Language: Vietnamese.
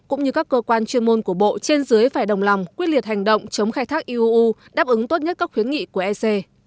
cũng như các cơ quan chuyên môn của bộ trên dưới phải đồng lòng quyết liệt hành động chống khai thác iuu đáp ứng tốt nhất các khuyến nghị của ec